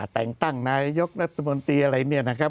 แต่งตั้งนายตะยกวัธนาธิโมนตีอะไรนะครับ